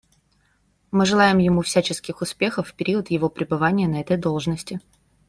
Мы желаем ему всяческих успехов в период его пребывания на этой должности.